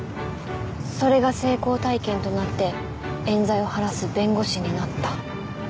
それが成功体験となって冤罪を晴らす弁護士になった。